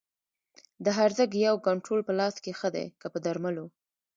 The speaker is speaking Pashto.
د هرزه ګیاوو کنټرول په لاس ښه دی که په درملو؟